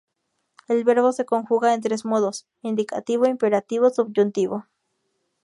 El verbo se conjuga en tres modos: indicativo, imperativo, subjuntivo.